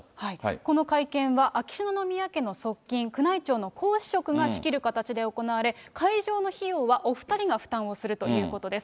この会見は秋篠宮家の側近、宮内庁の皇嗣職が仕切る形で行われ、会場の費用はお２人が負担をするということです。